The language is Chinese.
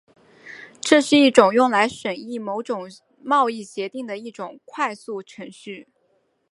这是一种用来审议某些贸易协定的一种快速程序。